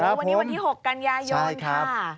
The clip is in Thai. วันนี้วันนี้๖กันยายนใช่ครับ